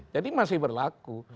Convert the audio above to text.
jadi masih berlaku